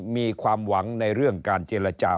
มีความหวังในเรื่องการเจรจา